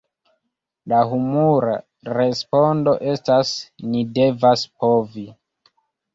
La humura respondo estas "Ni devas povi!